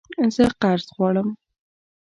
زه قرض غواړم